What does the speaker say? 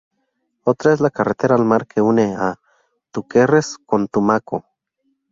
Otra es la carretera al mar que une a Túquerres con Tumaco.